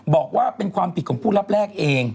บอกว่าเป็นความผิดของผู้รับแรกเอง